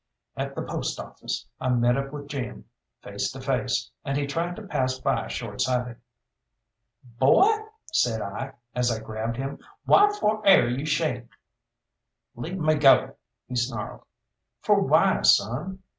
At the post office I met up with Jim, face to face, and he tried to pass by short sighted. "Boy," said I, as I grabbed him, "why for air you shamed?" "Leave me go," he snarled. "For why, son?"